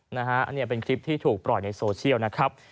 อันนี้เป็นคลิปที่ถูกปล่อยในโซเชียลนะครับ